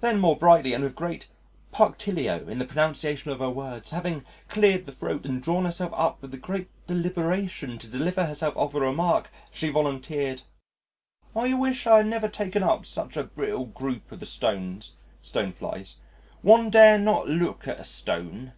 Then more brightly, and with great punctilio in the pronunciation of her words, having cleared her throat and drawn herself up with great deliberation to deliver herself of a remark, she volunteered, "I whish I had nevah taken up such a brittle grooop as the Stones (Stoneflies). One dare not loook at a Stone."